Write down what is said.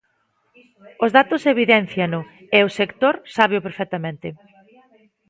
Os datos evidénciano e o sector sábeo perfectamente.